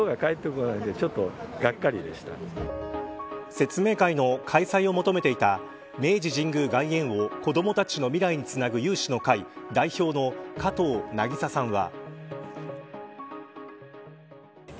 説明会の開催を求めていた明治神宮外苑を子どもたちの未来につなぐ有志の会代表の加藤なぎささんは。